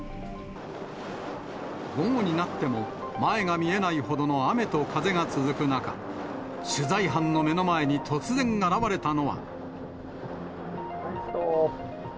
午後になっても、前が見えないほどの雨と風が続く中、取材班の目の前に突然、現れたのは。